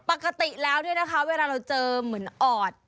ปกติแล้วเนี่ยนะคะเวลาเราเจอเหมือนออด